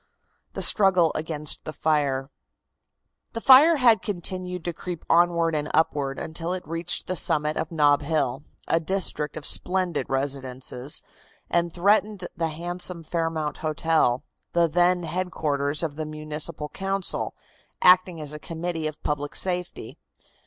THE STRUGGLE AGAINST THE FIRE. The fire had continued to creep onward and upward until it reached the summit of Nob Hill, a district of splendid residences, and threatened the handsome Fairmount Hotel, then the headquarters of the Municipal Council, acting as a Committee of Public Safety.